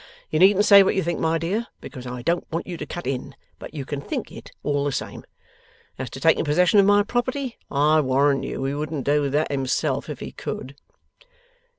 You needn't say what you think, my dear, because I don't want you to cut in, but you can think it all the same. As to taking possession of my property, I warrant you he wouldn't do that himself if he could.